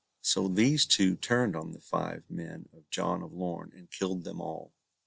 So these two turned on the five men of John of Lorn, and killed them all.